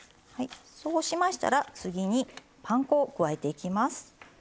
そうしましたら次にパン粉を加えていきます。